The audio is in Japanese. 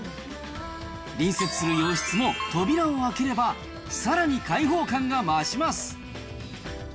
隣接する洋室も扉を開ければ、さらに開放感が増します。